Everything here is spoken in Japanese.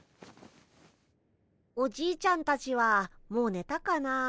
おじいちゃんたちはもうねたかな。